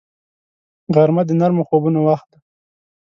غرمه د نرمو خوبونو وخت دی